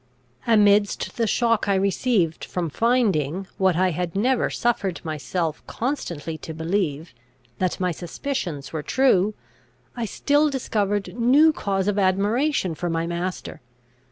Amidst the shock I received from finding, what I had never suffered myself constantly to believe, that my suspicions were true, I still discovered new cause of admiration for my master.